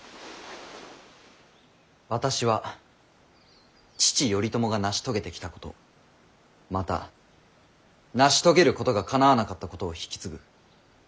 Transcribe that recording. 私は父頼朝が成し遂げてきたことまた成し遂げることがかなわなかったことを引き継ぐ。